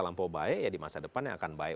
lampu baik ya di masa depan yang akan baik